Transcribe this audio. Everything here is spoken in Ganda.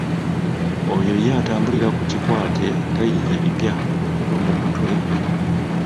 Oyo ye atambulira ku kikwate tayiiyaayo bipya okuva mu mutwe gwe.